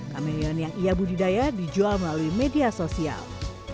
kamelion yang ia budidaya dijual melalui media sosial